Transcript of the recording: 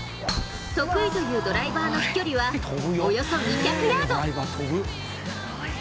得意というドライバーの飛距離はおよそ２００ヤード。